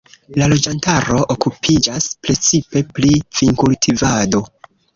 La loĝantaro okupiĝas precipe pri vinkultivado.